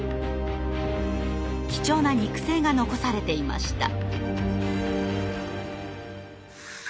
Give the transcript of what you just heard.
貴重な肉声が残されていました。